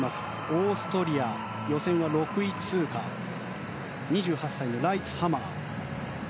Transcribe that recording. オーストリア、予選は６位通過２８歳のライツハマー。